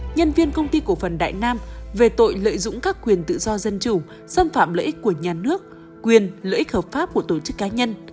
nhân viên công ty cổ phần đại nam về tội lợi dụng các quyền tự do dân chủ xâm phạm lợi ích của nhà nước quyền lợi ích hợp pháp của tổ chức cá nhân